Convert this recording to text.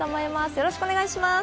よろしくお願いします。